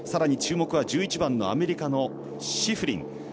注目は１１番アメリカのシフリン。